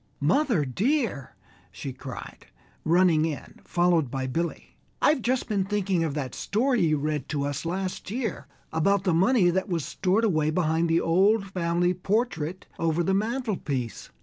"Mother, dear!" she cried, running in, followed by Billy, "I've just been thinking of that story you read to us last year about the money that was stored away behind the old family portrait over the mantelpiece.